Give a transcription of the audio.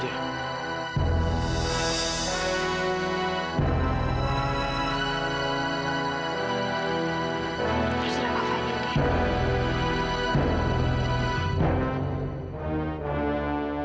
terserah kak fadil